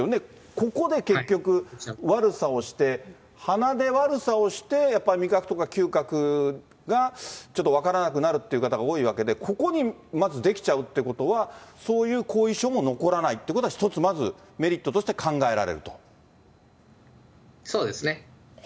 ここで結局、悪さをして、鼻で悪さをして、やっぱり味覚とか嗅覚がちょっと分からなくなるっていう方が多いわけで、ここにまずできちゃうということは、そういう後遺症も残らないってことは一つまずメリットとして考えそうですね。